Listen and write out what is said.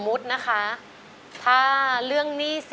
โอ้โฮ